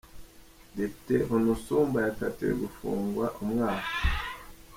Depite Onusumba yakatiwe gufungwa umwaka